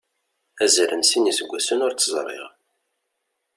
Azal n sin yiseggasen ur tt-ẓriɣ.